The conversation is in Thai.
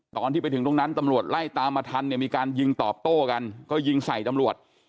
ตอนที่ไปถึงตรงนั้นตำรวจไล่ตามมาทันเนี่ยมีการยิงตอบโต้กันก็ยิงใส่ตำรวจ